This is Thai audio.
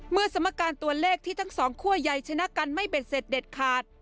เมื่อสมการตัวเลขที่ทั้งสองครัวใหญ่ชนะกันไม่เป็นเสร็จเด็ดขาด